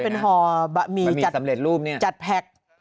เป็นห่อจัดแพ็ก